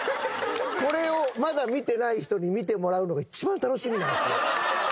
これをまだ見てない人に見てもらうのが一番楽しみなんですよ。